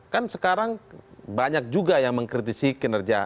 kan sekarang banyak juga yang mengkritisi kinerja